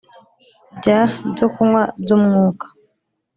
bya byokunywa by Umwuka